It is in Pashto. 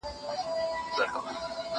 زه سیر نه کوم،